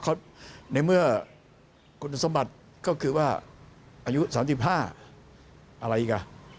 เขาในเมื่อคุณสมบัติก็คือว่าอายุ๓๕อะไรอีกอ่ะ